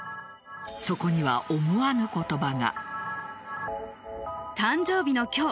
そこには思わぬ言葉が。